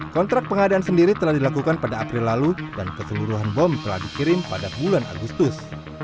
kontrak pengadaan sendiri telah dilakukan pada april lalu dan keseluruhan bom telah dikirim pada bulan agustus